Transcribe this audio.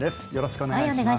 お願いします。